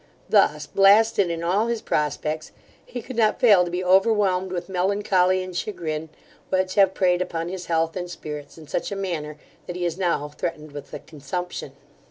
Thus blasted in all his prospects, he could not fail to be overwhelmed with melancholy and chagrin, which have preyed upon his health and spirits in such a manner, that he is now threatened with a consumption.